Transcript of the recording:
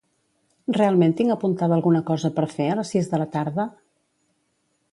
Realment tinc apuntada alguna cosa per fer a les sis de la tarda?